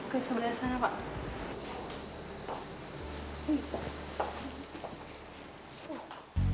ke sebelah sana pak